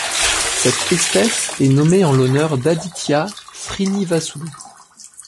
Cette espèce est nommée en l'honneur d'Aditya Srinivasulu.